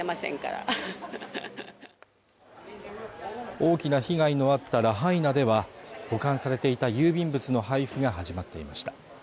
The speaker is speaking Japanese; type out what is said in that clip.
大きな被害のあったラハイナでは保管されていた郵便物の配布が始まっていました